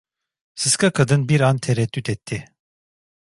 Sıska kadın bir an tereddüt etti.